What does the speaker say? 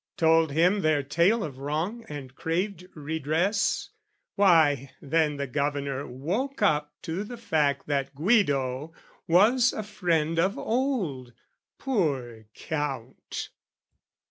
Told him their tale of wrong and craved redress Why, then the Governor woke up to the fact That Guido was a friend of old, poor Count!